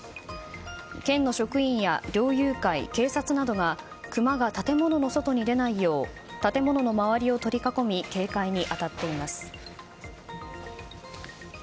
県の職員や猟友会、警察などがクマが建物の外に出ないよう建物の周りを取り囲み警戒に当たっています。